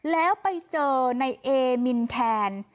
แล้วไปเจอในเอมินแทน